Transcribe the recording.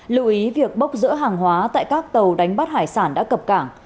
lưu ý việc bốc rỡ hàng hóa tại các tàu đánh bắt hải sản đã cập cảng